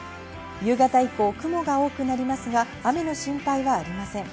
夕方以降、雲が多くなりますが雨の心配はありません。